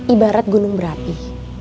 ibarat gunung berapi